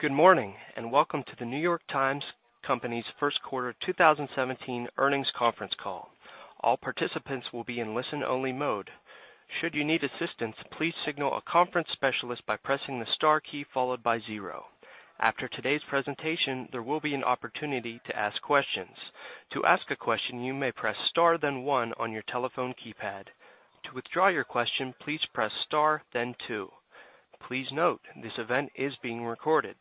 Good morning, and welcome to The New York Times Company's first quarter 2017 earnings conference call. All participants will be in listen-only mode. Should you need assistance, please signal a conference specialist by pressing the star key followed by zero. After today's presentation, there will be an opportunity to ask questions. To ask a question, you may press star then one on your telephone keypad. To withdraw your question, please press star then two. Please note, this event is being recorded.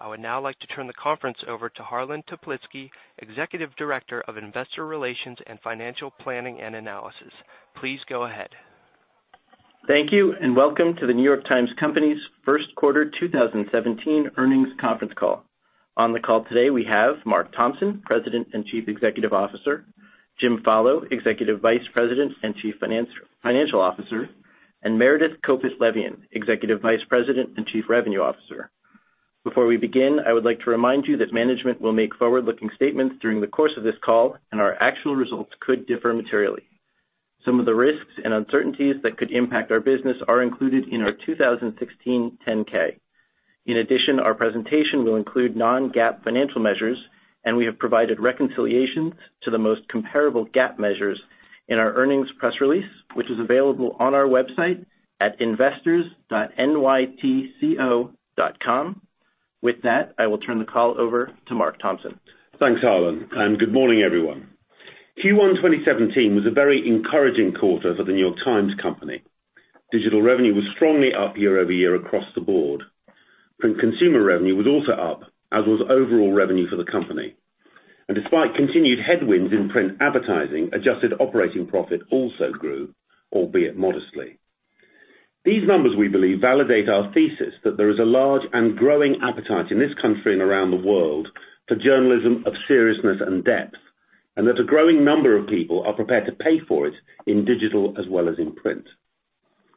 I would now like to turn the conference over to Harlan Toplitzky, Executive Director of Investor Relations and Financial Planning and Analysis. Please go ahead. Thank you, and welcome to The New York Times Company's first quarter 2017 earnings conference call. On the call today, we have Mark Thompson, President and Chief Executive Officer; Jim Follo, Executive Vice President and Chief Financial Officer; and Meredith Kopit Levien, Executive Vice President and Chief Revenue Officer. Before we begin, I would like to remind you that management will make forward-looking statements during the course of this call, and our actual results could differ materially. Some of the risks and uncertainties that could impact our business are included in our 2016 10-K. In addition, our presentation will include non-GAAP financial measures, and we have provided reconciliations to the most comparable GAAP measures in our earnings press release, which is available on our website at investors.nytco.com. With that, I will turn the call over to Mark Thompson. Thanks, Harlan, and good morning, everyone. Q1 2017 was a very encouraging quarter for The New York Times Company. Digital revenue was strongly up year-over-year across the board. Print consumer revenue was also up, as was overall revenue for the company. Despite continued headwinds in print advertising, adjusted operating profit also grew, albeit modestly. These numbers, we believe, validate our thesis that there is a large and growing appetite in this country and around the world for journalism of seriousness and depth, and that a growing number of people are prepared to pay for it in digital as well as in print.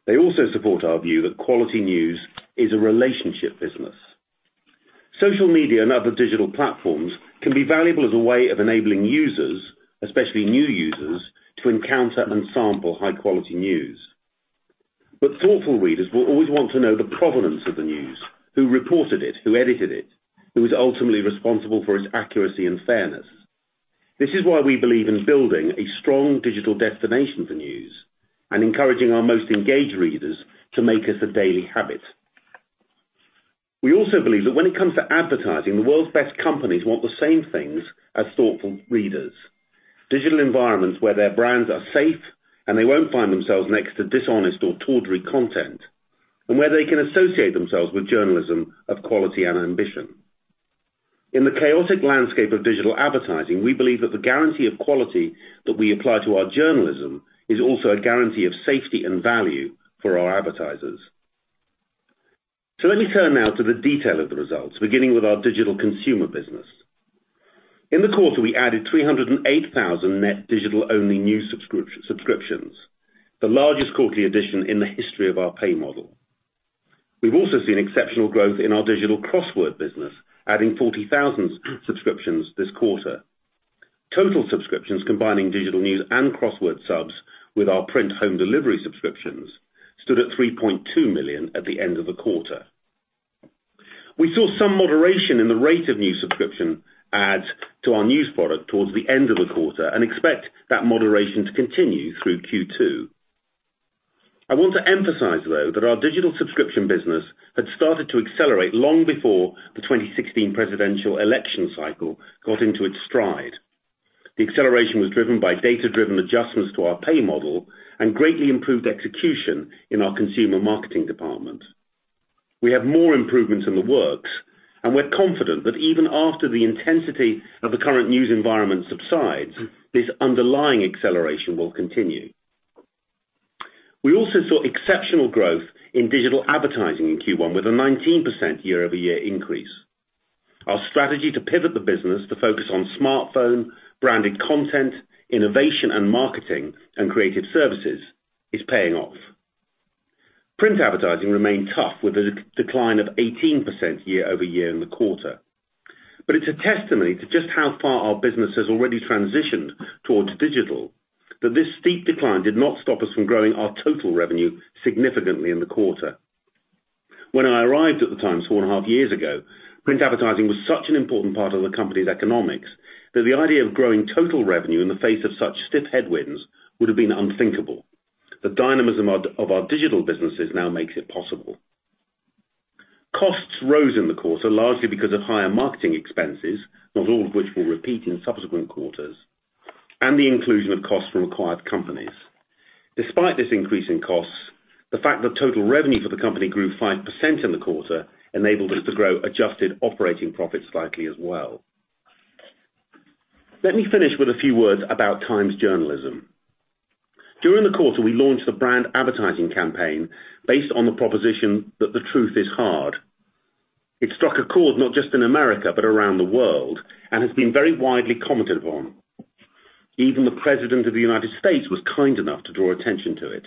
They also support our view that quality news is a relationship business. Social media and other digital platforms can be valuable as a way of enabling users, especially new users, to encounter and sample high-quality news. Thoughtful readers will always want to know the provenance of the news, who reported it, who edited it, who is ultimately responsible for its accuracy and fairness. This is why we believe in building a strong digital destination for news and encouraging our most engaged readers to make us a daily habit. We also believe that when it comes to advertising, the world's best companies want the same things as thoughtful readers, digital environments where their brands are safe and they won't find themselves next to dishonest or tawdry content, and where they can associate themselves with journalism of quality and ambition. In the chaotic landscape of digital advertising, we believe that the guarantee of quality that we apply to our journalism is also a guarantee of safety and value for our advertisers. Let me turn now to the detail of the results, beginning with our digital consumer business. In the quarter, we added 308,000 net digital-only new subscriptions, the largest quarterly addition in the history of our pay model. We've also seen exceptional growth in our digital crossword business, adding 40,000 subscriptions this quarter. Total subscriptions combining digital news and crossword subs with our print home delivery subscriptions stood at 3.2 million at the end of the quarter. We saw some moderation in the rate of new subscription adds to our news product towards the end of the quarter and expect that moderation to continue through Q2. I want to emphasize, though, that our digital subscription business had started to accelerate long before the 2016 presidential election cycle got into its stride. The acceleration was driven by data-driven adjustments to our pay model and greatly improved execution in our consumer marketing department. We have more improvements in the works. We're confident that even after the intensity of the current news environment subsides, this underlying acceleration will continue. We also saw exceptional growth in digital advertising in Q1 with a 19% year-over-year increase. Our strategy to pivot the business to focus on smartphone, branded content, innovation and marketing, and creative services is paying off. Print advertising remained tough with a decline of 18% year-over-year in the quarter. It's a testimony to just how far our business has already transitioned towards digital that this steep decline did not stop us from growing our total revenue significantly in the quarter. When I arrived at The Times 4.5 years ago, print advertising was such an important part of the company's economics that the idea of growing total revenue in the face of such stiff headwinds would have been unthinkable. During the quarter, we launched the brand advertising campaign based on the proposition that "The truth is hard." It struck a chord not just in America but around the world, and has been very widely commented upon. Even the President of the United States was kind enough to draw attention to it.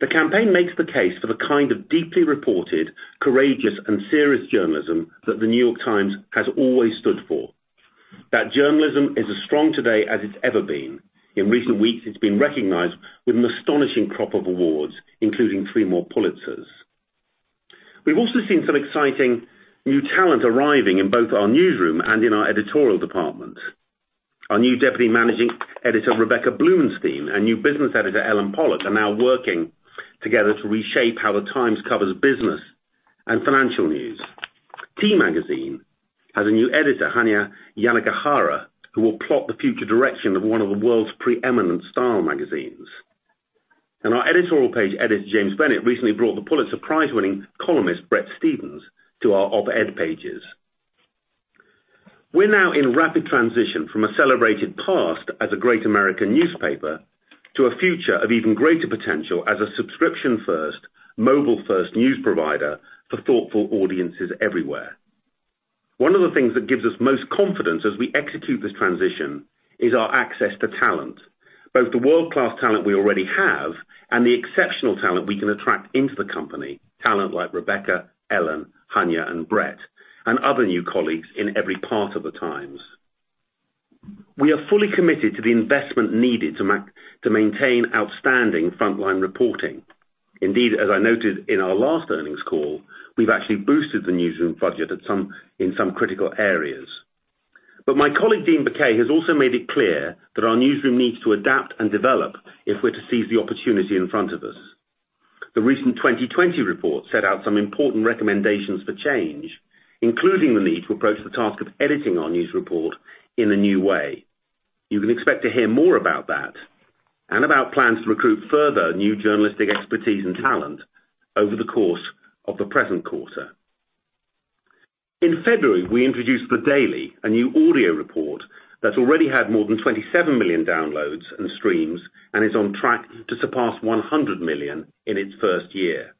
The campaign makes the case for the kind of deeply reported, courageous, and serious journalism that The New York Times has always stood for. That journalism is as strong today as it's ever been. In recent weeks, it's been recognized with an astonishing crop of awards, including three more Pulitzers. We've also seen some exciting new talent arriving in both our newsroom and in our editorial department. Our new Deputy Managing Editor, Rebecca Blumenstein, and new Business Editor, Ellen Pollock, are now working together to reshape how the Times covers business and financial news. T Magazine has a new Editor, Hanya Yanagihara, One of the things that gives us most confidence as we execute this transition is our access to talent, both the world-class talent we already have and the exceptional talent we can attract into the company, talent like Rebecca, Ellen, Hanya, and Bret, and other new colleagues in every part of the Times. We are fully committed to the investment needed to maintain outstanding frontline reporting. Indeed, as I noted in our last earnings call, we've actually boosted the newsroom budget in some critical areas. My colleague, Dean Baquet, has also made it clear that our newsroom needs to adapt and develop if we're to seize the opportunity in front of us. The recent 2020 report set out some important recommendations for change, including the need to approach the task of editing our news report in a new way. You can expect to hear more about that and about plans to recruit further new journalistic expertise and talent over the course of the present quarter. In February, we introduced The Daily, a new audio report that's already had more than 27 million downloads and streams and is on track to surpass 100 million in its first year.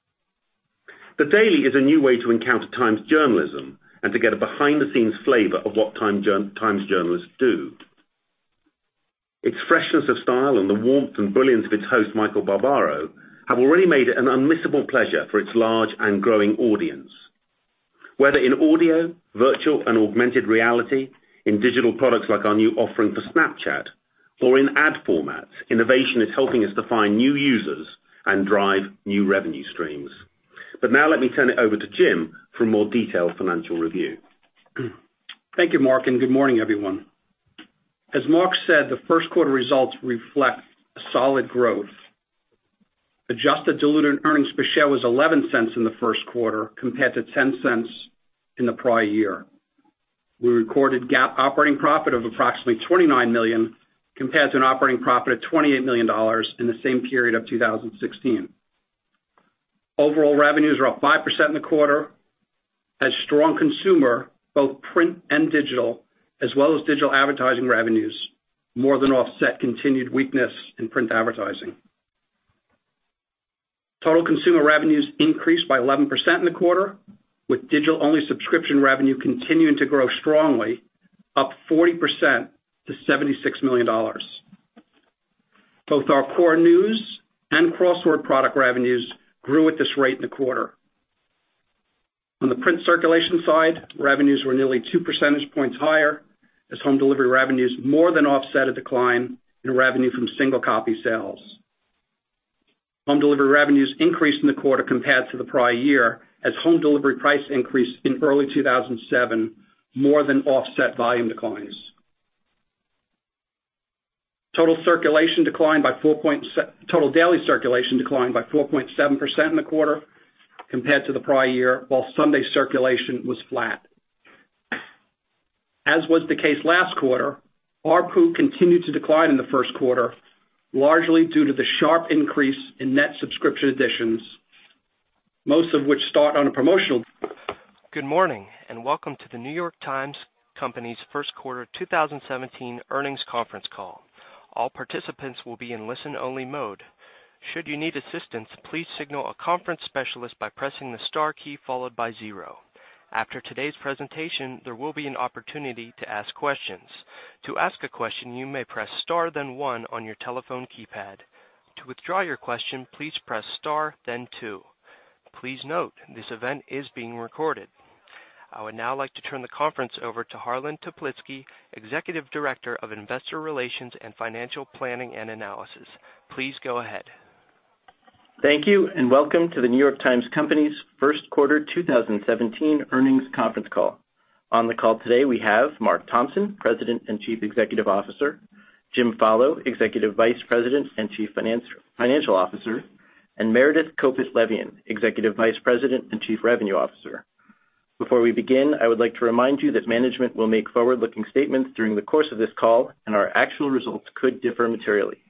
The Daily is a new way to encounter Times journalism and to get a behind-the-scenes flavor of what Times journalists do. Its freshness of style and the warmth and brilliance of its host, Michael Barbaro, have already made it an unmissable pleasure for its large and growing audience. Whether in audio, virtual and augmented reality, in digital products like our new offering for Snapchat or in ad formats, innovation is helping us to find new users and drive new revenue streams. Now let me turn it over to Jim for a more detailed financial review. Thank you, Mark. Good morning, everyone. As Mark said, the first quarter results reflect a solid growth. Adjusted diluted earnings per share was $0.11 in the first quarter, compared to $0.10 in the prior year. We recorded GAAP operating profit of approximately $29 million, compared to an operating profit of $28 million in the same period of 2016. Overall revenues are up 5% in the quarter as strong consumer, both print and digital, as well as digital advertising revenues more than offset continued weakness in print advertising. Total consumer revenues increased by 11% in the quarter, with digital-only subscription revenue continuing to grow strongly, up 40% to $76 million. Both our core news and crossword product revenues grew at this rate in the quarter. On the print circulation side, revenues were nearly 2 percentage points higher as home delivery revenues more than offset a decline in revenue from single-copy sales. Home delivery revenues increased in the quarter compared to the prior year, as home delivery price increase in early 2007 more than offset volume declines. Total daily circulation declined by 4.7% in the quarter compared to the prior year, while Sunday circulation was flat. As was the case last quarter, ARPU continued to decline in the first quarter, Thank you for joining us this morning. We look forward to talking to you again next quarter. The conference has now concluded. Thank you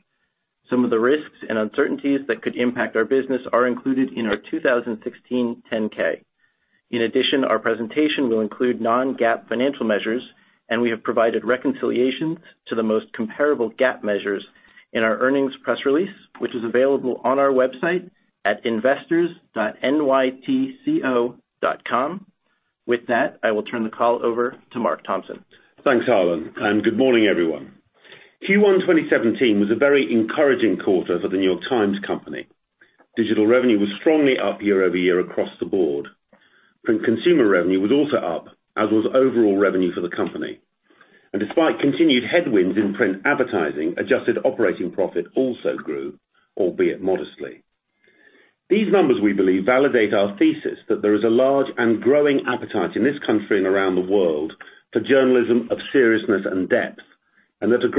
for attending today's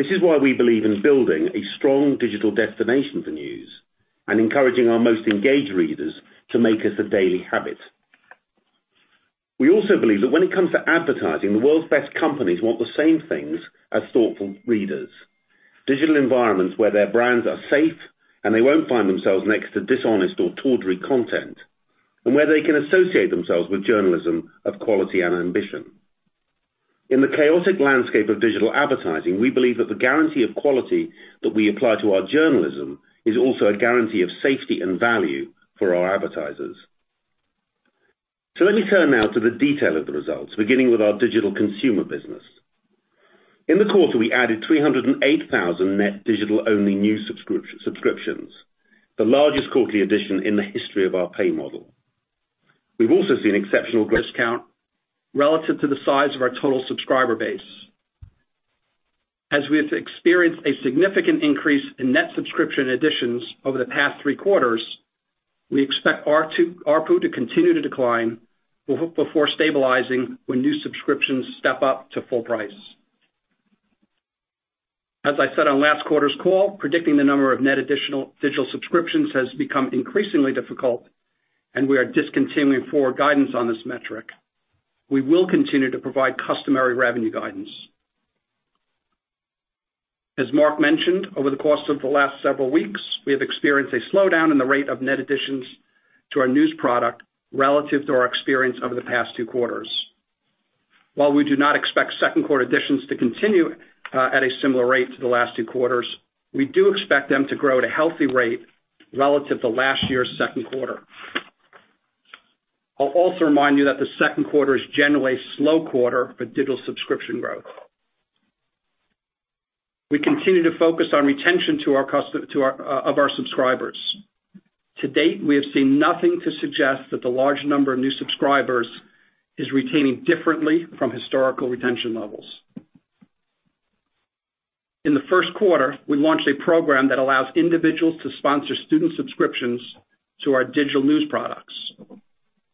presentation. You may now disconnect.... discount relative to the size of our total subscriber base. As we have experienced a significant increase in net subscription additions over the past three quarters, we expect ARPU to continue to decline before stabilizing when new subscriptions step up to full price. As I said on last quarter's call, predicting the number of net digital subscriptions has become increasingly difficult. We are discontinuing forward guidance on this metric. We will continue to provide customary revenue guidance. As Mark mentioned, over the course of the last several weeks, we have experienced a slowdown in the rate of net additions to our news product relative to our experience over the past two quarters. While we do not expect second quarter additions to continue at a similar rate to the last two quarters, we do expect them to grow at a healthy rate relative to last year's second quarter. I'll also remind you that the second quarter is generally a slow quarter for digital subscription growth. We continue to focus on retention of our subscribers. To date, we have seen nothing to suggest that the large number of new subscribers is retaining differently from historical retention levels. In the first quarter, we launched a program that allows individuals to sponsor student subscriptions to our digital news products.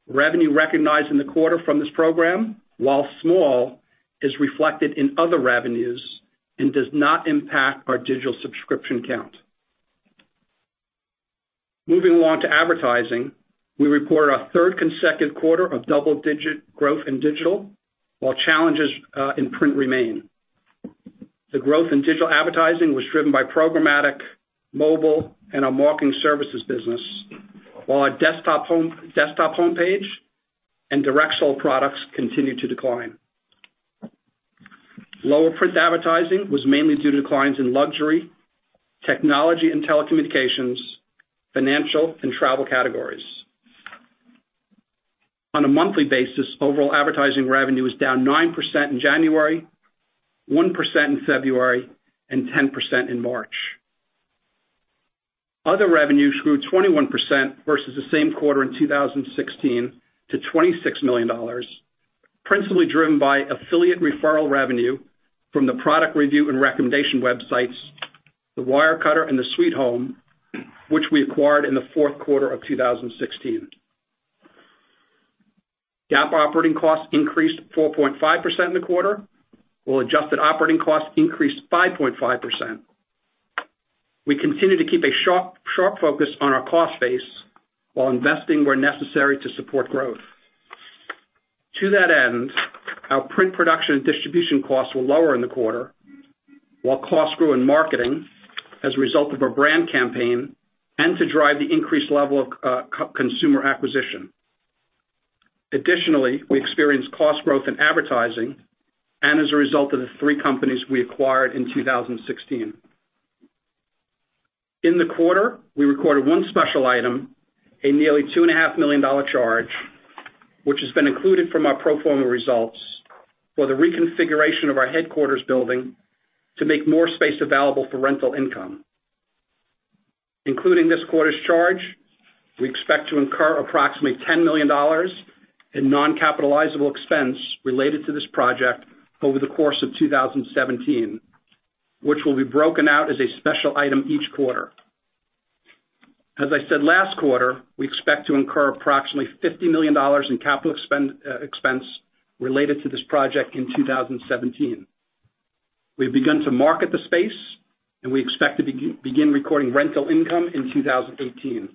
Revenue recognized in the quarter from this program, while small, is reflected in other revenues and does not impact our digital subscription count. Moving on to advertising, we reported our third consecutive quarter of double-digit growth in digital, while challenges in print remain. The growth in digital advertising was driven by programmatic, mobile, and our marketing services business. While our desktop home page and direct sell products continued to decline. Lower print advertising was mainly due to declines in luxury, technology and telecommunications, financial, and travel categories. On a monthly basis, overall advertising revenue was down 9% in January, 1% in February, and 10% in March. Other revenues grew 21% versus the same quarter in 2016 to $26 million, principally driven by affiliate referral revenue from the product review and recommendation websites, The Wirecutter and The Sweethome, which we acquired in the fourth quarter of 2016. GAAP operating costs increased 4.5% in the quarter, while adjusted operating costs increased 5.5%. We continue to keep a sharp focus on our cost base while investing where necessary to support growth. To that end, our print production and distribution costs were lower in the quarter, while costs grew in marketing as a result of our brand campaign and to drive the increased level of consumer acquisition. Additionally, we experienced cost growth in advertising and as a result of the three companies we acquired in 2016. In the quarter, we recorded one special item. A nearly $2.5 million charge, which has been included from our pro forma results, for the reconfiguration of our headquarters building to make more space available for rental income. Including this quarter's charge, we expect to incur approximately $10 million in non-capitalizable expense related to this project over the course of 2017, which will be broken out as a special item each quarter. As I said last quarter, we expect to incur approximately $50 million in capital expense related to this project in 2017. We've begun to market the space, and we expect to begin recording rental income in 2018.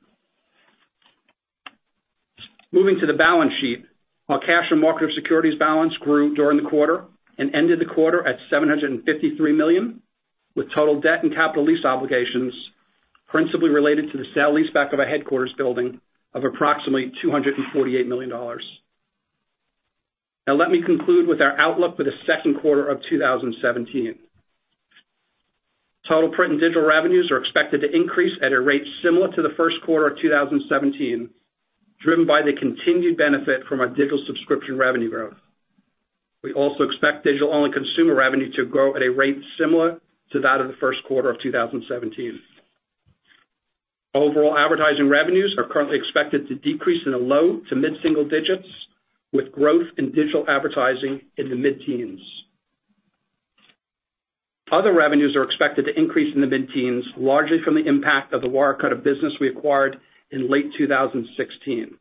Moving to the balance sheet. Our cash and market securities balance grew during the quarter and ended the quarter at $753 million, with total debt and capital lease obligations principally related to the sale leaseback of a headquarters building of approximately $248 million. Now, let me conclude with our outlook for the second quarter of 2017. Total print and digital revenues are expected to increase at a rate similar to the first quarter of 2017, driven by the continued benefit from our digital subscription revenue growth. We also expect digital-only consumer revenue to grow at a rate similar to that of the first quarter of 2017. Overall advertising revenues are currently expected to decrease in the low- to mid-single-digits, with growth in digital advertising in the mid-teens. Other revenues are expected to increase in the mid-teens, largely from the impact of The Wirecutter business we acquired in late 2016.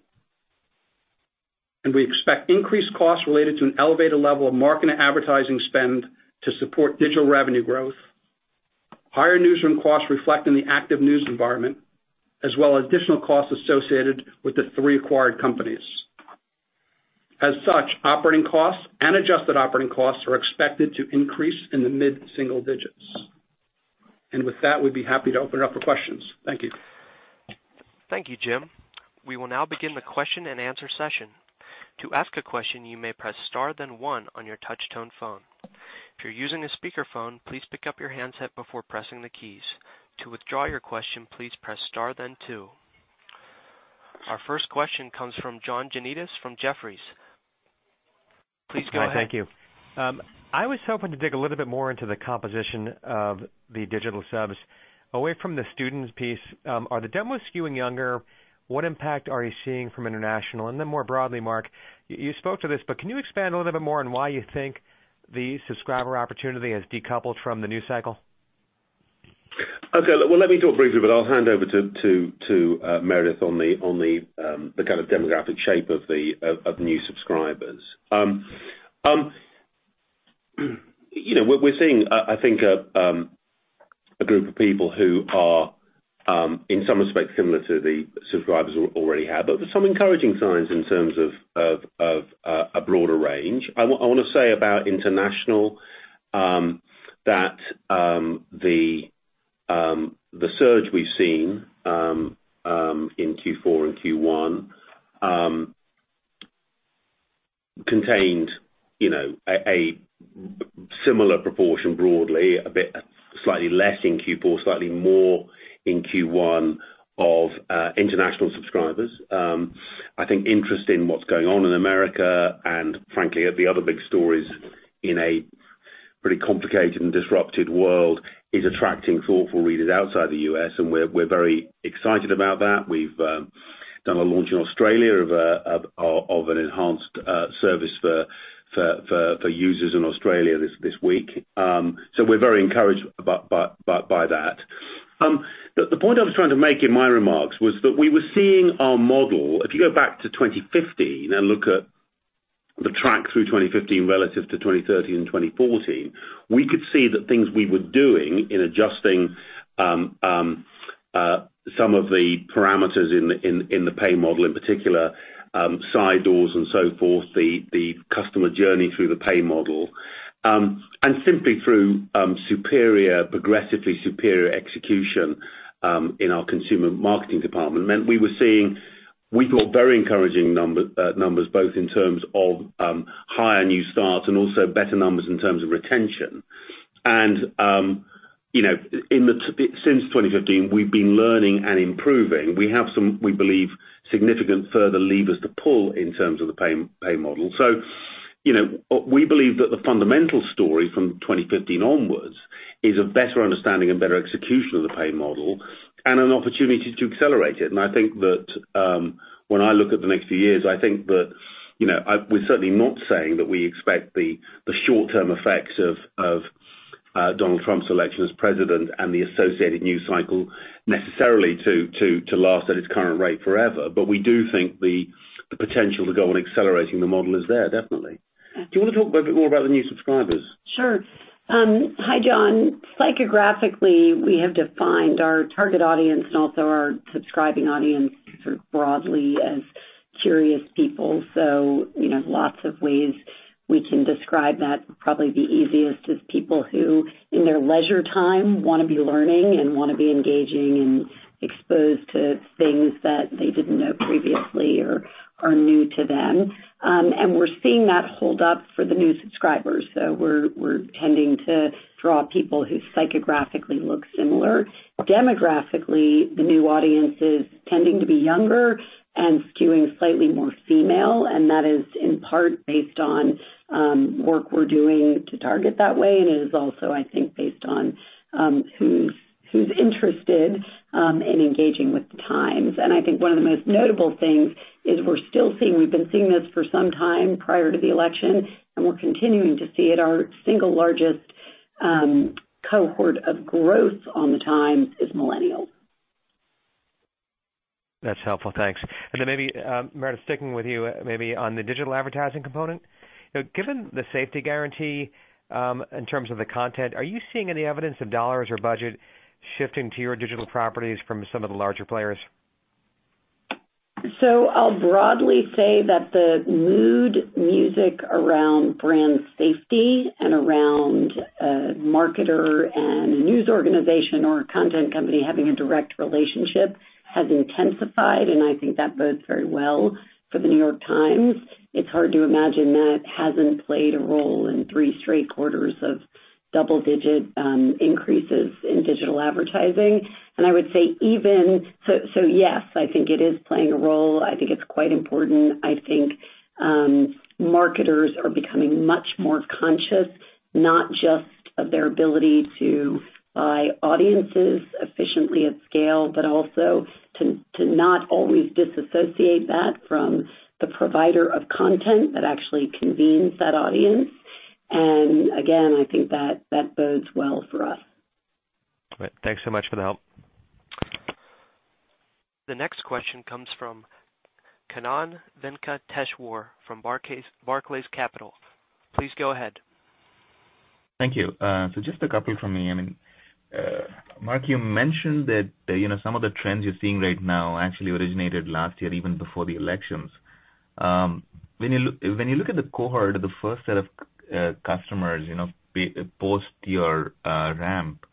We expect increased costs related to an elevated level of marketing and advertising spend to support digital revenue growth, higher newsroom costs reflecting the active news environment, as well as additional costs associated with the three acquired companies. As such, operating costs and adjusted operating costs are expected to increase in the mid-single-digits. With that, we'd be happy to open it up for questions. Thank you. Thank you, Jim. We will now begin the question and answer session. To ask a question, you may press star then one on your touch-tone phone. If you're using a speakerphone, please pick up your handset before pressing the keys. To withdraw your question, please press star then two. Our first question comes from John Janedis from Jefferies. Please go ahead. Thank you. I was hoping to dig a little bit more into the composition of the digital subs away from the students piece. Are the demos skewing younger? What impact are you seeing from international? And then more broadly, Mark, you spoke to this. Can you expand a little bit more on why you think the subscriber opportunity has decoupled from the news cycle? Well, let me talk briefly, but I'll hand over to Meredith on the kind of demographic shape of new subscribers. We're seeing, I think, a group of people who are, in some respects, similar to the subscribers we already have. There's some encouraging signs in terms of a broader range. I want to say about international, that the surge we've seen in Q4 and Q1 contained a similar proportion broadly. A bit slightly less in Q4, slightly more in Q1 of international subscribers. I think interest in what's going on in America. Frankly, the other big stories in a pretty complicated and disrupted world, is attracting thoughtful readers outside the U.S. We're very excited about that. We've done a launch in Australia of an enhanced service for users in Australia this week. We're very encouraged by that. The point I was trying to make in my remarks was that we were seeing our model. If you go back to 2015 and look at the track through 2015 relative to 2013 and 2014, we could see the things we were doing in adjusting some of the parameters in the pay model. In particular, side doors and so forth, the customer journey through the pay model. Simply through progressively superior execution in our consumer marketing department, meant we were seeing, we thought very encouraging numbers, both in terms of higher new starts and also better numbers in terms of retention. Since 2015, we've been learning and improving. We have some, we believe, significant further levers to pull in terms of the pay model. We believe that the fundamental story from 2015 onwards is a better understanding and better execution of the pay model, and an opportunity to accelerate it. I think that when I look at the next few years, I think that, we're certainly not saying that we expect the short-term effects of Donald Trump's election as President and the associated news cycle necessarily to last at its current rate forever. We do think the potential to go on accelerating the model is there, definitely. Do you want to talk a bit more about the new subscribers? Sure. Hi, John. Psychographically, we have defined our target audience and also our subscribing audience sort of broadly as curious people. Lots of ways we can describe that. Probably the easiest is people who, in their leisure time, want to be learning and want to be engaging and exposed to things that they didn't know previously or are new to them. We're seeing that hold up for the new subscribers. We're tending to draw people who psychographically look similar. Demographically, the new audience is tending to be younger and skewing slightly more female. That is in part based on work we're doing to target that way. It is also, I think, based on who's interested in engaging with Times. I think one of the most notable things is we're still seeing, we've been seeing this for some time prior to the election. We're continuing to see it, our single largest cohort of growth on The Times is millennials. That's helpful. Thanks. Maybe, Meredith, sticking with you maybe on the digital advertising component. Given the safety guarantee, in terms of the content, are you seeing any evidence of dollars or budget shifting to your digital properties from some of the larger players? I'll broadly say that the mood music around brand safety, and around a marketer and a news organization, or a content company having a direct relationship has intensified. I think that bodes very well for The New York Times. It's hard to imagine that hasn't played a role in three straight quarters of double-digit increases in digital advertising. I would say yes, I think it is playing a role. I think it's quite important. I think marketers are becoming much more conscious. Not just of their ability to buy audiences efficiently at scale, but also to not always disassociate that from the provider of content that actually convenes that audience. Again, I think that bodes well for us. All right. Thanks so much for the help. The next question comes from Kannan Venkateshwar from Barclays Capital. Please go ahead. Thank you. Just a couple from me. Mark, you mentioned that some of the trends you're seeing right now actually originated last year, even before the elections. When you look at the cohort of the first set of customers post your ramp,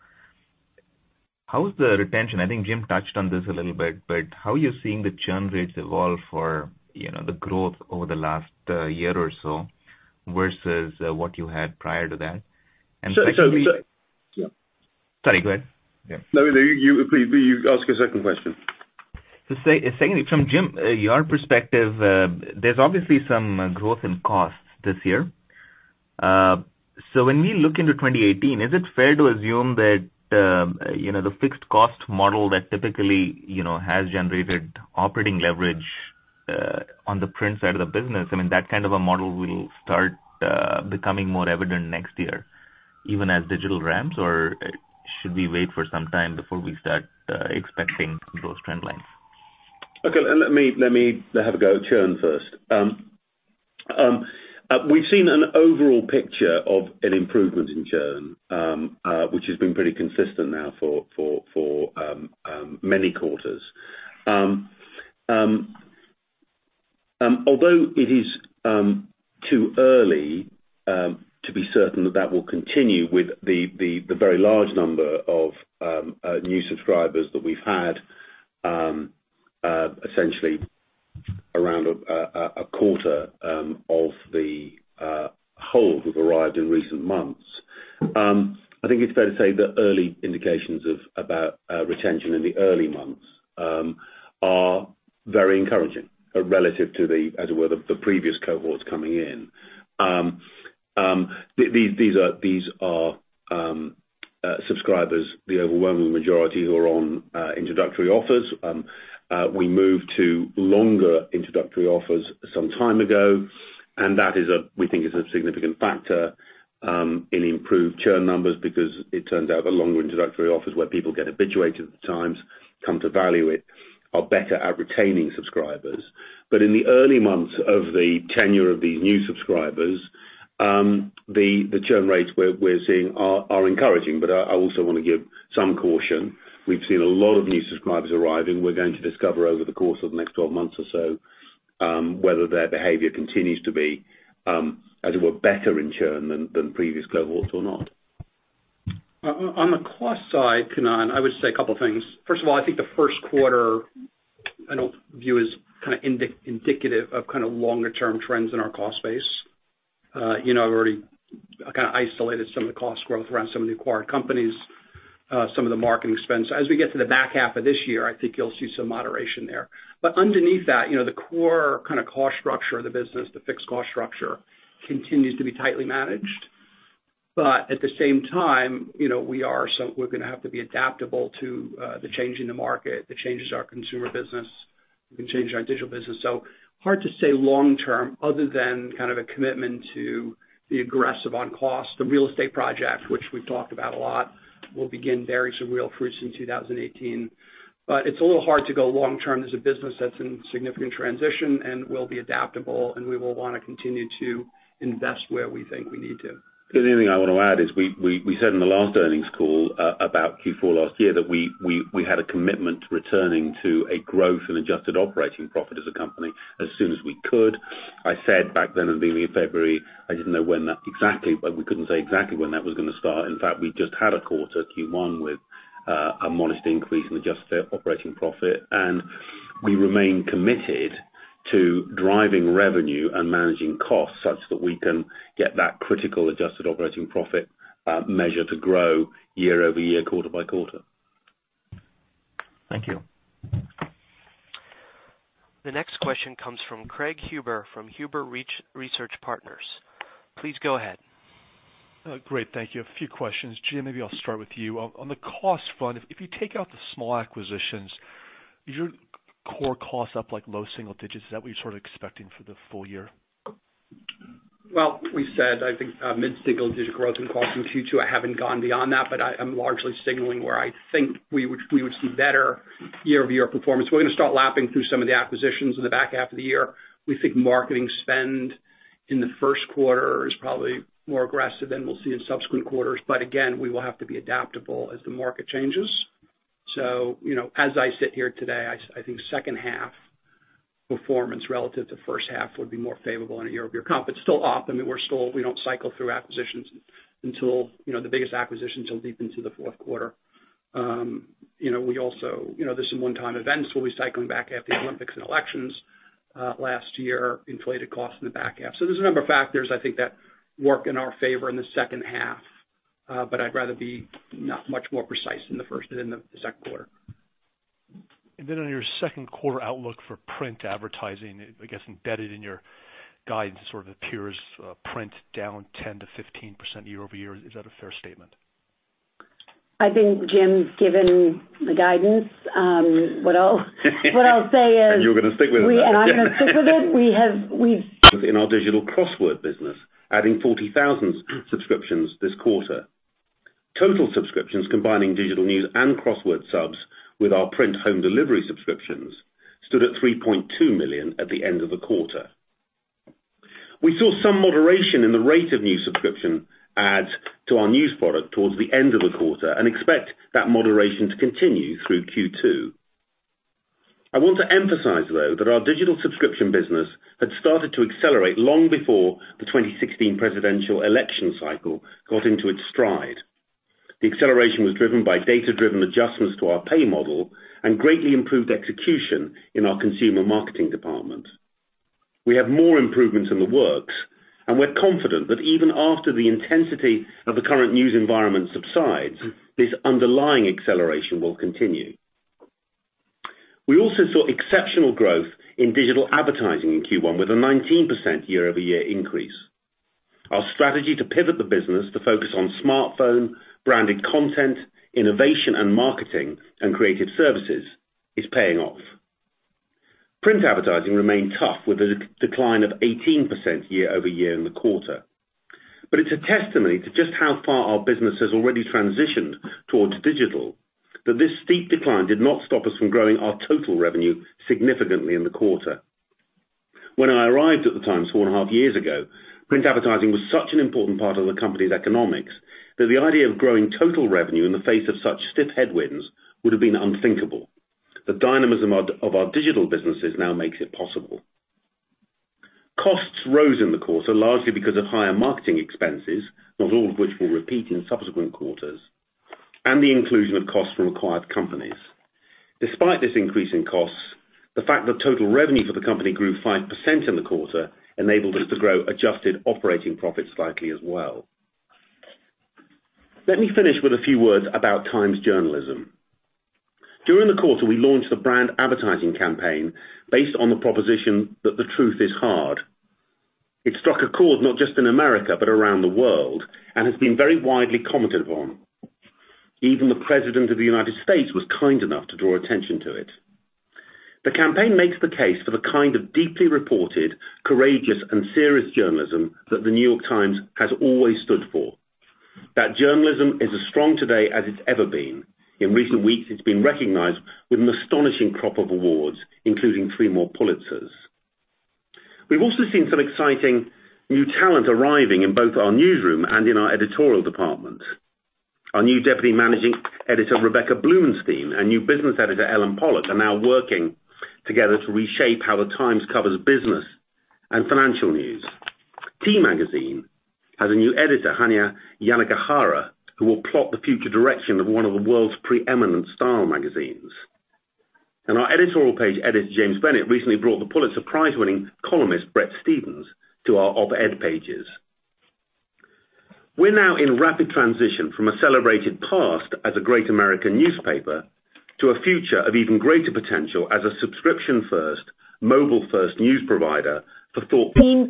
how's the retention? I think Jim touched on this a little bit, but how are you seeing the churn rates evolve for the growth over the last year or so versus what you had prior to that? So- Sorry, go ahead. No, please ask your second question. Secondly, from Jim, your perspective. There's obviously some growth in costs this year. When we look into 2018, is it fair to assume that the fixed cost model that typically has generated operating leverage on the print side of the business, I mean, that kind of a model will start becoming more evident next year, even as digital ramps, or should we wait for some time before we start expecting those trend lines? Okay, let me have a go at churn first. We've seen an overall picture of an improvement in churn, which has been pretty consistent now for many quarters. Although it is too early to be certain that will continue with the very large number of new subscribers that we've had, essentially around a quarter of the whole who've arrived in recent months. I think it's fair to say the early indications about retention in the early months are very encouraging relative to the, as it were, the previous cohorts coming in. These are subscribers, the overwhelming majority who are on introductory offers. We moved to longer introductory offers some time ago. That is, we think, a significant factor in improved churn numbers. Because it turns out the longer introductory offers where people get habituated at Times come to value it, are better at retaining subscribers. In the early months of the tenure of these new subscribers, the churn rates we're seeing are encouraging, but I also want to give some caution. We've seen a lot of new subscribers arriving. We're going to discover over the course of the next 12 months or so whether their behavior continues to be, as it were, better in churn than previous cohorts or not. On the cost side, Kannan, I would say a couple things. First of all, I think the first quarter I don't view as kind of indicative of kind of longer term trends in our cost base. I've already kind of isolated some of the cost growth around some of the acquired companies. Some of the marketing spend. As we get to the back half of this year, I think you'll see some moderation there. Underneath that, the core kind of cost structure of the business, the fixed cost structure, continues to be tightly managed. At the same time, we're going to have to be adaptable to the change in the market. The changes in our consumer business. The change in our digital business. Hard to say long term other than kind of a commitment to be aggressive on cost. The real estate project, which we've talked about a lot, will begin bearing some real fruits in 2018. It's a little hard to go long term as a business that's in significant transition. We'll be adaptable. We will want to continue to invest where we think we need to. The only thing I want to add is we said in the last earnings call about Q4 last year that we had a commitment to returning to a growth in adjusted operating profit as a company as soon as we could. I said back then in the beginning of February, I didn't know when that exactly, but we couldn't say exactly when that was going to start. In fact, we just had a quarter, Q1, with a modest increase in adjusted operating profit. We remain committed to driving revenue and managing costs such that we can get that critical adjusted operating profit measure to grow year-over-year, quarter-by-quarter. Thank you. The next question comes from Craig Huber from Huber Research Partners. Please go ahead. Great. Thank you. A few questions. Jim, maybe I'll start with you. On the cost front, if you take out the small acquisitions Is your core cost up like low-single digits? Is that what you're sort of expecting for the full year? Well, we said, I think mid-single-digit growth in cost in Q2. I haven't gone beyond that, but I'm largely signaling where I think we would see better year-over-year performance. We're going to start lapping through some of the acquisitions in the back half of the year. We think marketing spend in the first quarter is probably more aggressive than we'll see in subsequent quarters. Again, we will have to be adaptable as the market changes. As I sit here today, I think second half performance relative to first half would be more favorable on a year-over-year comp, but still off. I mean, we don't cycle through acquisitions until the biggest acquisitions deep into the fourth quarter. These are one-time events. We'll be cycling back half the Olympics and elections, last year inflated costs in the back half. There's a number of factors I think that work in our favor in the second half. I'd rather not be much more precise in the first than the second quarter. On your second quarter outlook for print advertising, I guess, embedded in your guidance sort of appears print down 10%-15% year-over-year. Is that a fair statement? I think Jim's given the guidance. What I'll say is- You're going to stick with it now.... I'm going to stick with it. We've seen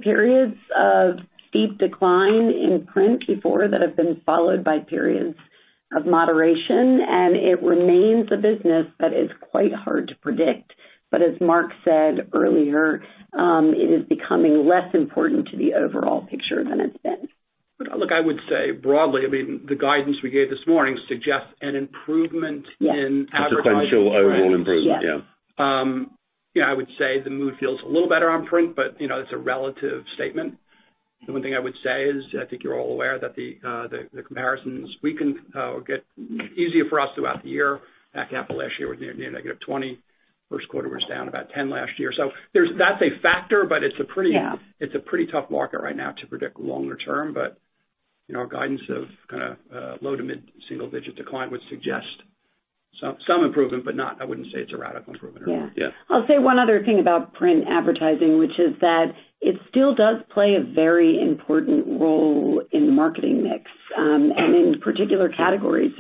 periods of steep decline in print before that have been followed by periods of moderation. It remains a business that is quite hard to predict. As Mark said earlier, it is becoming less important to the overall picture than it's been. Look, I would say broadly, I mean, the guidance we gave this morning suggests an improvement in advertising. Yes. A potential overall improvement. Yeah. Yeah, I would say the mood feels a little better on print, but it's a relative statement. The one thing I would say is, I think you're all aware that the comparisons we can get easier for us throughout the year. Back half of last year was near -20%. First quarter was down about 10% last year. That's a factor, but it's a pretty- Yeah. It's a pretty tough market right now to predict longer term, but our guidance of kind of low- to mid-single-digit decline would suggest some improvement. I wouldn't say it's a radical improvement. Yeah. Yeah. I'll say one other thing about print advertising, which is that it still does play a very important role in the marketing mix, and in particular categories.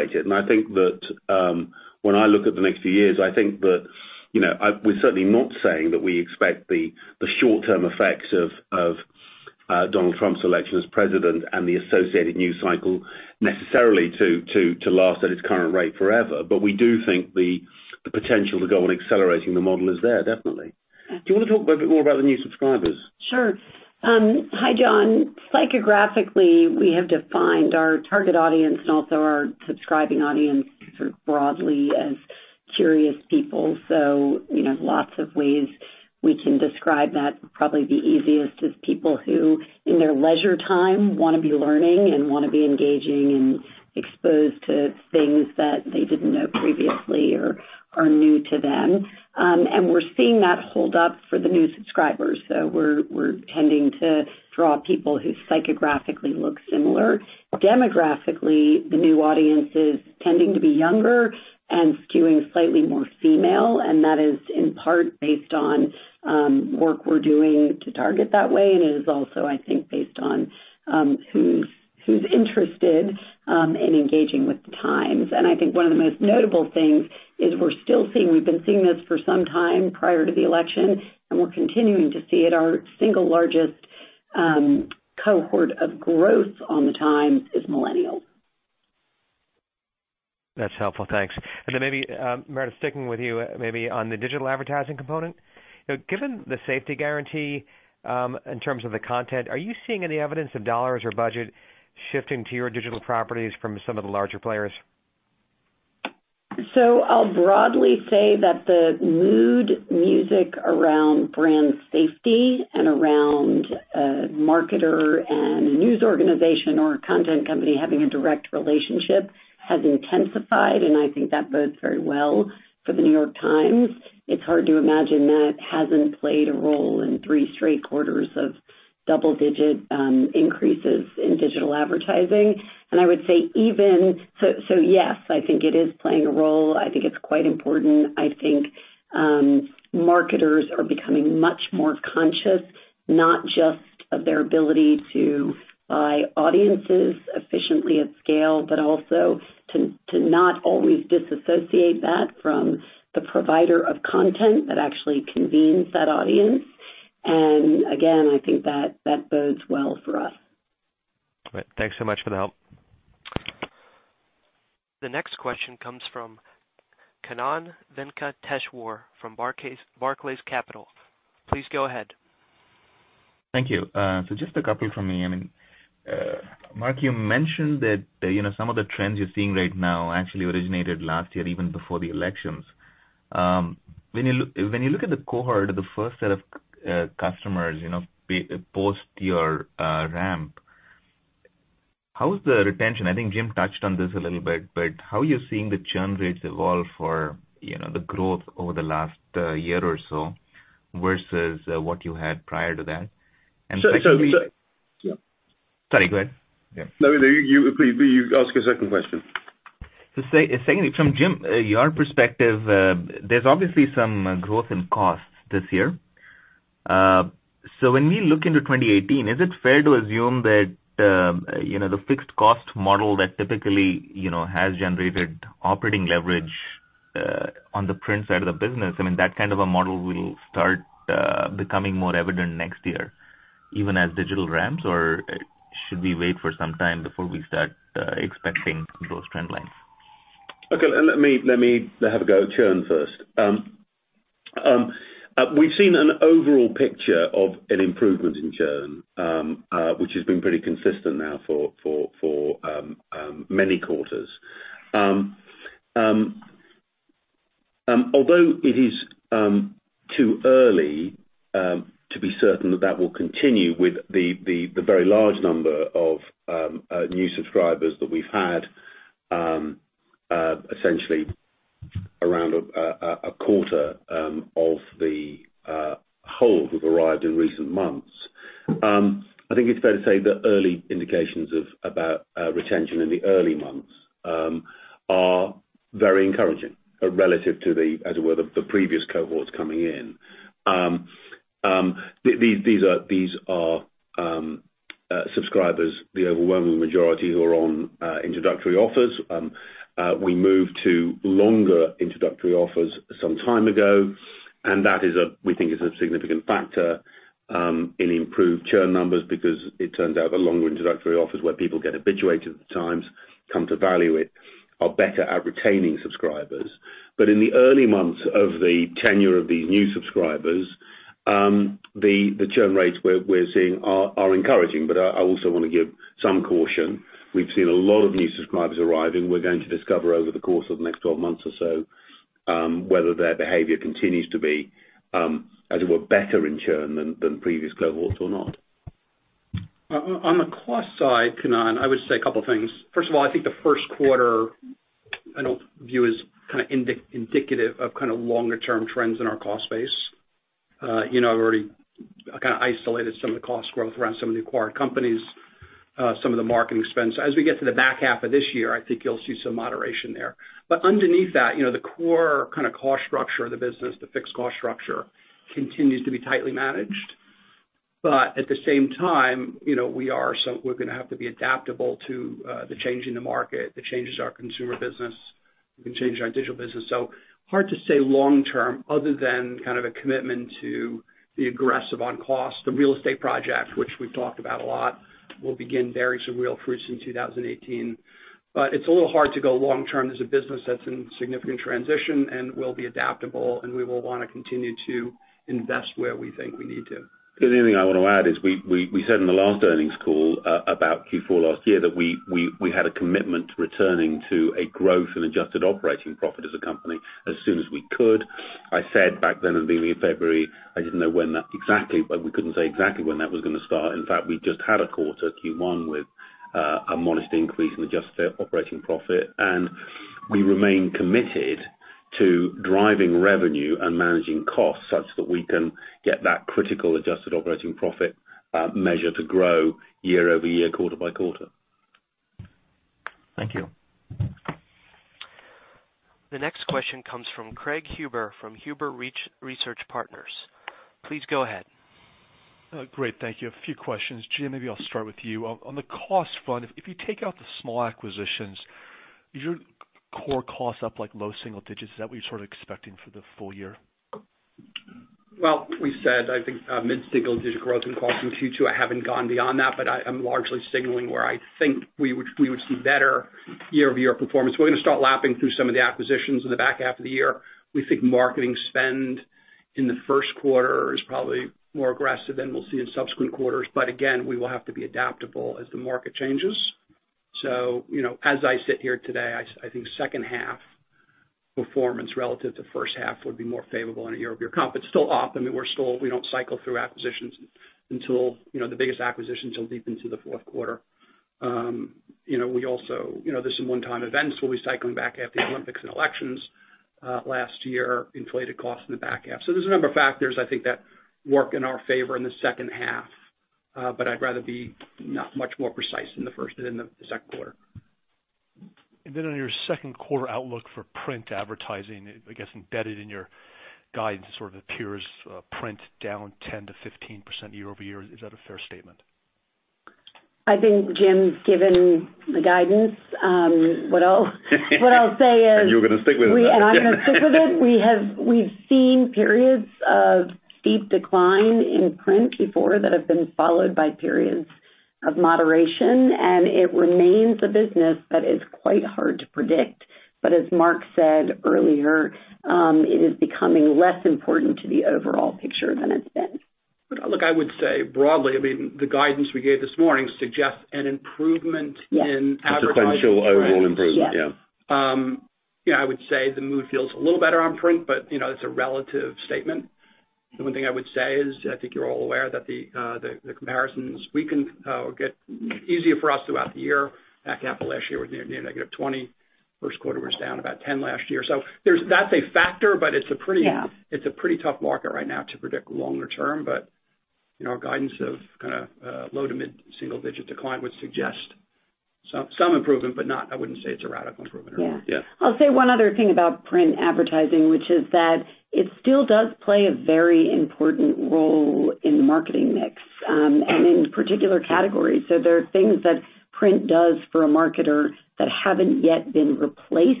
There are things that print does for a marketer that haven't yet been replaced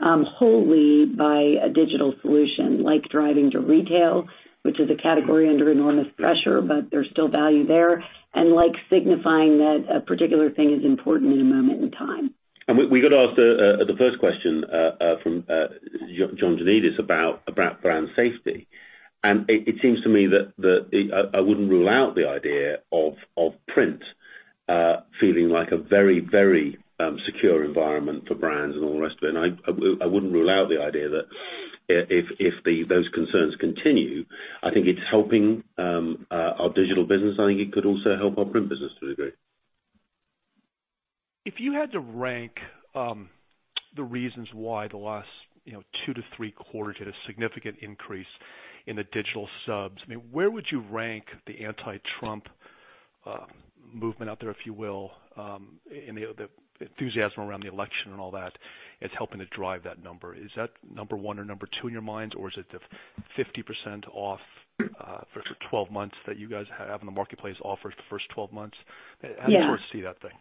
wholly by a digital solution, like driving to retail, which is a category under enormous pressure, but there's still value there. Like signifying that a particular thing is important in a moment in time. We got to ask the first question from John Janedis about brand safety. It seems to me that I wouldn't rule out the idea of print feeling like a very secure environment for brands and all the rest of it. I wouldn't rule out the idea that if those concerns continue, I think it's helping our digital business. I think it could also help our print business to a degree. If you had to rank the reasons why the last two to three quarters had a significant increase in the digital subs, I mean, where would you rank the anti-Trump movement out there, if you will, and the enthusiasm around the election and all that is helping to drive that number. Is that number one or number two in your mind, or is it the 50% off for 12 months that you guys have in the marketplace offers the first 12 months- Yeah.... How do you foresee that thing?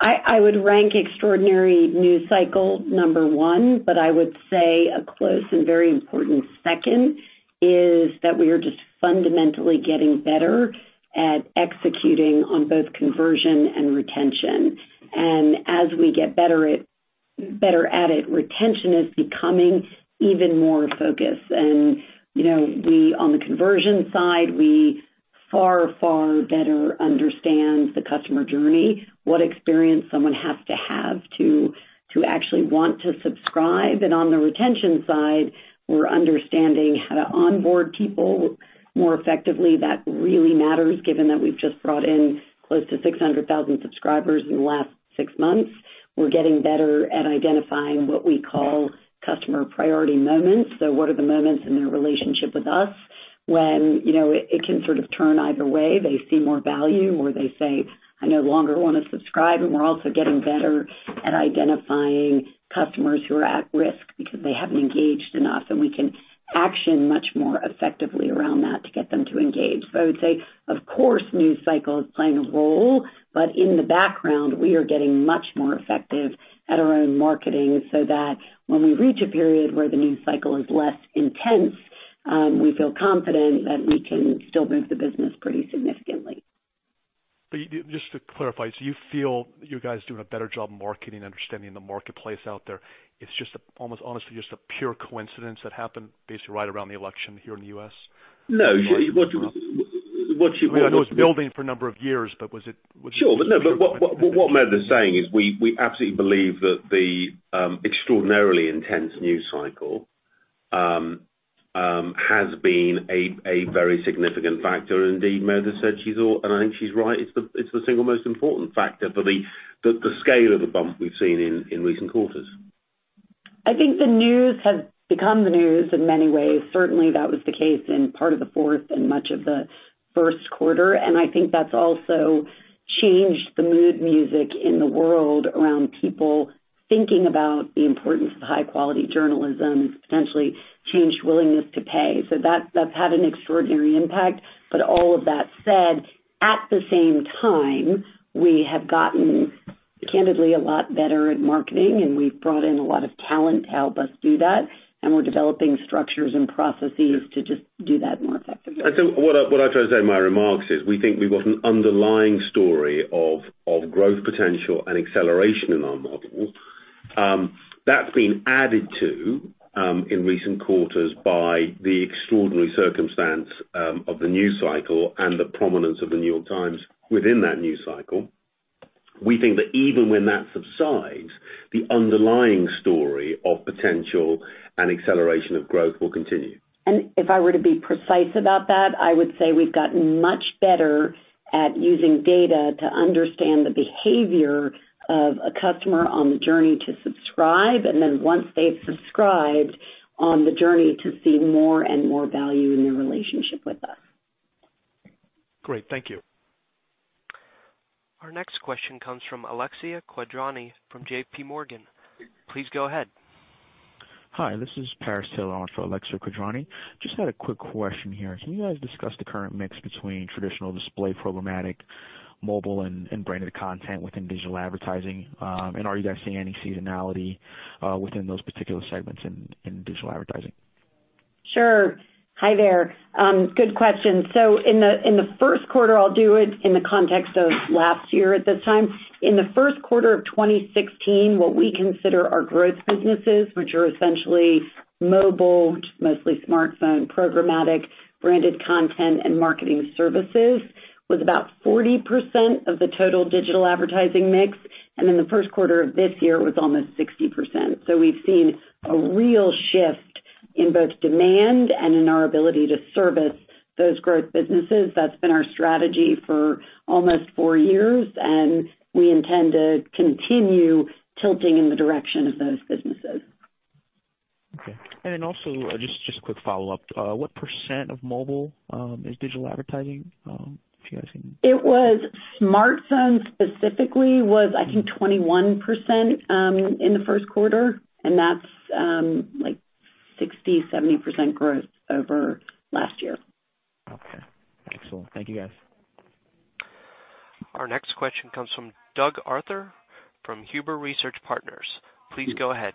I would rank extraordinary news cycle number one, but I would say a close and very important second is that we are just fundamentally getting better at executing on both conversion and retention. As we get better at it, retention is becoming even more a focus. On the conversion side, we understand the customer journey far, far better. What experience someone has to have to actually want to subscribe. On the retention side, we're understanding how to onboard people more effectively. That really matters given that we've just brought in close to 600,000 subscribers in the last six months. We're getting better at identifying what we call customer priority moments. What are the moments in their relationship with us, when it can sort of turn either way. They see more value or they say, "I no longer want to subscribe." We're also getting better at identifying customers who are at risk, because they haven't engaged enough. We can action much more effectively around that to get them to engage. I would say, of course, news cycle is playing a role. In the background, we are getting much more effective at our own marketing. That when we reach a period where the news cycle is less intense, we feel confident that we can still move the business pretty significantly. Just to clarify, so you feel you guys doing a better job marketing, understanding the marketplace out there. It's just almost honestly just a pure coincidence that happened basically right around the election here in the U.S.? No. I mean, I know it was building for a number of years, but was it- Sure. No, what Meredith's saying is we absolutely believe that the extraordinarily intense news cycle has been a very significant factor. Indeed, Meredith said she's all, and I think she's right. It's the single most important factor for the scale of the bump we've seen in recent quarters. I think the news has become the news in many ways. Certainly that was the case in part of the fourth and much of the first quarter, and I think that's also changed the mood music in the world around people thinking about the importance of high-quality journalism and potentially changed willingness to pay. That's had an extraordinary impact. All of that said. At the same time, we have gotten candidly a lot better at marketing. We've brought in a lot of talent to help us do that, and we're developing structures and processes to just do that more effectively. I think what I tried to say in my remarks is, we think we've got an underlying story of growth potential and acceleration in our model. That's been added to in recent quarters by the extraordinary circumstance of the news cycle and the prominence of The New York Times within that news cycle. We think that even when that subsides, the underlying story of potential and acceleration of growth will continue. If I were to be precise about that, I would say we've gotten much better at using data to understand the behavior of a customer on the journey to subscribe. Then, once they've subscribed on the journey to see more and more value in their relationship with us. Great. Thank you. Our next question comes from Alexia Quadrani from JPMorgan. Please go ahead. Hi, this is Parris Taylor in for Alexia Quadrani. Just had a quick question here. Can you guys discuss the current mix between traditional display programmatic, mobile, and branded content within digital advertising? Are you guys seeing any seasonality within those particular segments in digital advertising? Sure. Hi there. Good question. In the first quarter, I'll do it in the context of last year at this time. In the first quarter of 2016, what we consider our growth businesses, which are essentially mobile, which mostly smartphone programmatic, branded content, and marketing services, was about 40% of the total digital advertising mix. In the first quarter of this year, was almost 60%. We've seen a real shift in both demand and in our ability to service those growth businesses. That's been our strategy for almost four years, and we intend to continue tilting in the direction of those businesses. Okay. Also, just a quick follow-up. What percent of mobile is digital advertising? If you guys can- It was smartphone specifically, I think, 21% in the first quarter. That's 60%-70% growth over last year. Okay. Excellent. Thank you, guys. Our next question comes from Doug Arthur from Huber Research Partners. Please go ahead.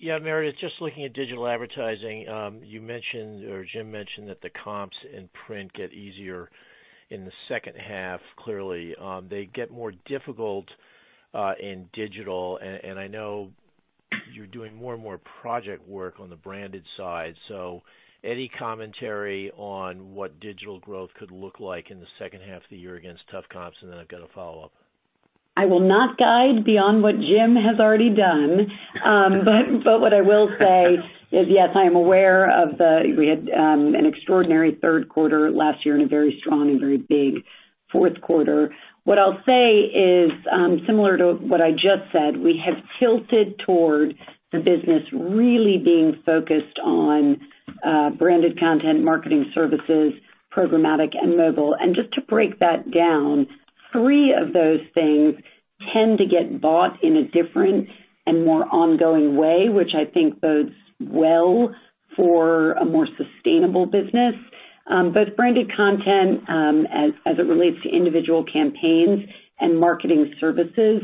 Yeah, Meredith, just looking at digital advertising, you mentioned or Jim mentioned that the comps in print get easier in the second half, clearly. They get more difficult in digital. I know you're doing more and more project work on the branded side. Any commentary on what digital growth could look like in the second half of the year against tough comps? I've got a follow-up. I will not guide beyond what Jim has already done. What I will say is, yes, I am aware that we had an extraordinary third quarter last year and a very strong and very big fourth quarter. What I'll say is similar to what I just said, we have tilted toward the business really being focused on branded content, marketing services, programmatic, and mobile. Just to break that down. Three of those things tend to get bought in a different and more ongoing way, which I think bodes well for a more sustainable business. Both branded content, as it relates to individual campaigns and marketing services,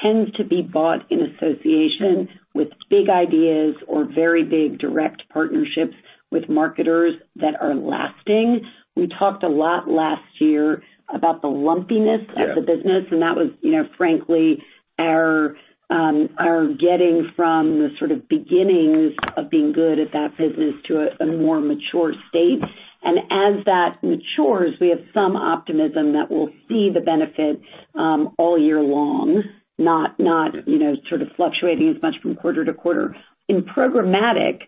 tends to be bought in association with big ideas or very big direct partnerships with marketers that are lasting. We talked a lot last year about the lumpiness- Yeah.... of the business, and that was frankly our getting from the sort of beginnings of being good at that business to a more mature state. As that matures, we have some optimism that we'll see the benefit all year long. Not sort of fluctuating as much from quarter-to-quarter. In programmatic,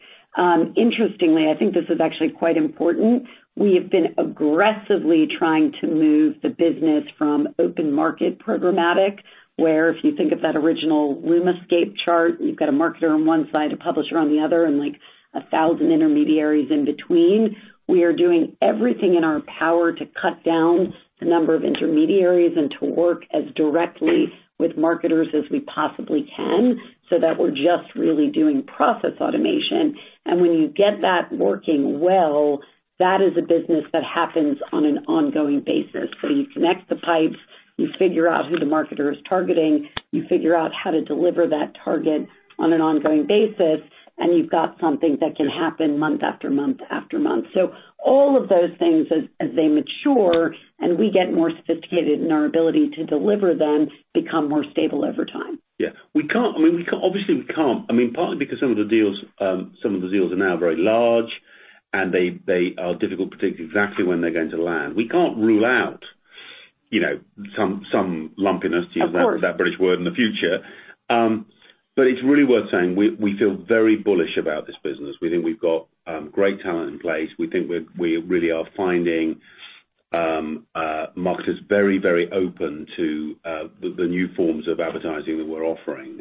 interestingly, I think this is actually quite important. We have been aggressively trying to move the business from open market programmatic, where if you think of that original LUMAscape chart, you've got a marketer on one side, a publisher on the other, and like 1,000 intermediaries in between. We are doing everything in our power to cut down the number of intermediaries and to work as directly with marketers as we possibly can, so that we're just really doing process automation. When you get that working well, that is a business that happens on an ongoing basis. You connect the pipes. You figure out who the marketer is targeting. You figure out how to deliver that target on an ongoing basis. You've got something that can happen month after month after month. All of those things as they mature and we get more sophisticated in our ability to deliver them, become more stable over time. Yeah. Obviously, we can't. I mean, partly because some of the deals are now very large and they are difficult to predict exactly when they're going to land. We can't rule out some lumpiness- Of course.... to use that British word, in the future. It's really worth saying, we feel very bullish about this business. We think we've got great talent in place. We think we really are finding marketers very open to the new forms of advertising that we're offering.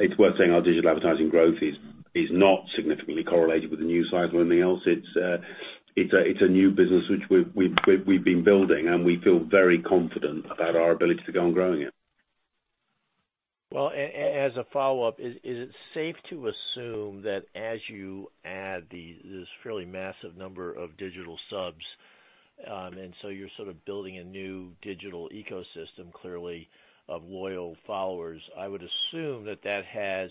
It's worth saying our digital advertising growth is not significantly correlated with the news cycle or anything else. It's a new business which we've been building, and we feel very confident about our ability to go on growing it. Well, as a follow-up, is it safe to assume that as you add this fairly massive number of digital subs, and so you're sort of building a new digital ecosystem, clearly, of loyal followers? I would assume that that has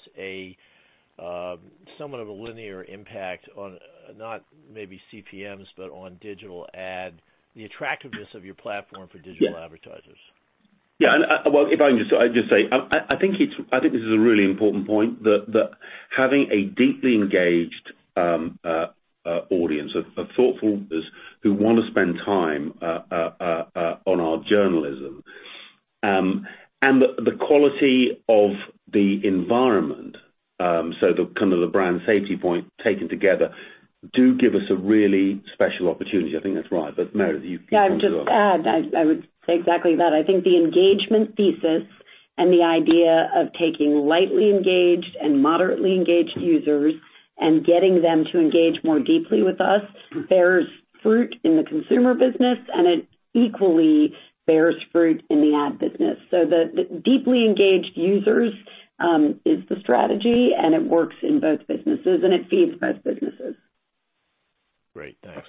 somewhat of a linear impact on, not maybe CPMs, but on digital ad. The attractiveness of your platform for digital advertisers. Yeah. Well, if I can just say, I think this is a really important point, that having a deeply engaged audience of thoughtful readers who want to spend time on our journalism. The quality of the environment, so the kind of brand safety point taken together do give us a really special opportunity. I think that's right, but Meredith you can follow up. Yeah. I would just add, I would say exactly that. I think the engagement thesis and the idea of taking lightly engaged and moderately engaged users and getting them to engage more deeply with us bears fruit in the consumer business. It equally bears fruit in the ad business. The deeply engaged users is the strategy, and it works in both businesses, and it feeds both businesses. Great. Thanks.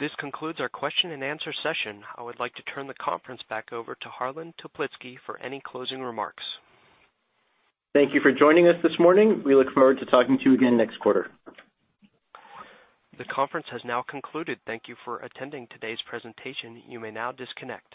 This concludes our question and answer session. I would like to turn the conference back over to Harlan Toplitzky for any closing remarks. Thank you for joining us this morning. We look forward to talking to you again next quarter. The conference has now concluded. Thank you for attending today's presentation. You may now disconnect.